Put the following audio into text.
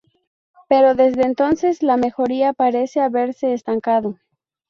Pero desde entonces la mejoría parece haberse estancado.